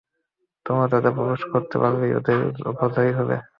তোমরা তাতে প্রবেশ করতে পারলেই তাদের উপর জয়ী হবে।